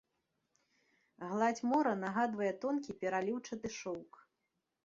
Гладзь мора нагадвае тонкі пераліўчаты шоўк.